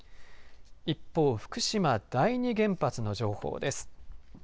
一方、福島第二原発の情報です。